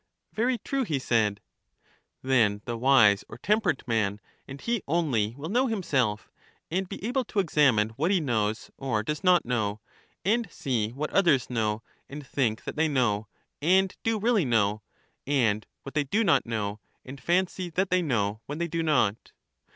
Very true, he said. Then the wise or temperate man, and he only, will know himself, and be able to examine what he knows or does not know, and see what others know, and think that they know and do really know; and what they do not know, and fancy that they know, when they do not.